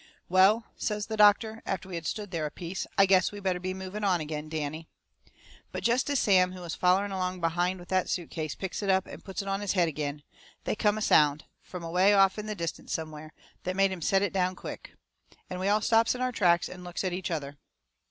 "Well," says the doctor, after we had stood there a piece, "I guess we better be moving on again, Danny." But jest as Sam, who was follering along behind with that suit case, picks it up and puts it on his head agin, they come a sound, from away off in the distance somewheres, that made him set it down quick. And we all stops in our tracks and looks at each other.